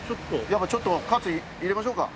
やっぱちょっとカツ入れましょうか。